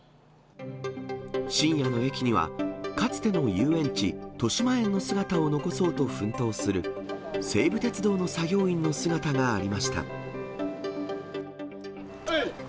深夜の駅にはかつての遊園地、としまえんの姿を残そうと奮闘する西武鉄道の作業員の姿がありました。